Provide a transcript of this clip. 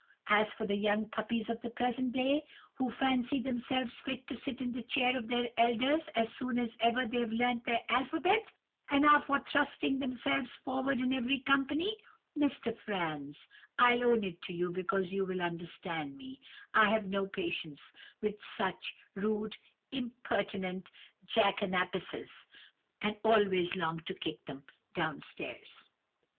As for the young puppies of the present day, who fancy themselves fit to sit in the chair of their elders as soon as ever they have learnt their alphabet, and are for thrusting themselves forward in every company—Mr. Franz, I'll own it to you, because you will understand me—I have no patience with such rude, impertinent Jackanapeses, and always long to kick them down stairs.